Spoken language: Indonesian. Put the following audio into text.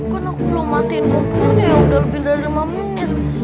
kan aku belum matiin kumpulnya ya udah lebih dari lima menit